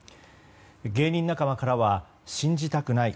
芸人仲間からは信じたくない。